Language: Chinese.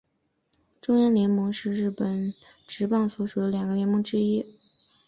中央联盟是日本职棒所属的两个联盟之一。